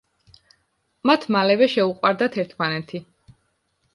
მათ მალევე შეუყვარდათ ერთმანეთი.